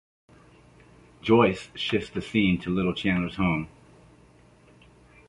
Joyce shifts the scene to Little Chandler's home.